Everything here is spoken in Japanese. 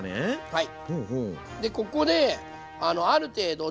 はい。